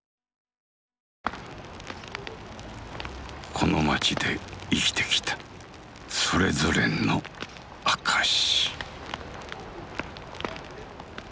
この街で生きてきたそれぞれの証し。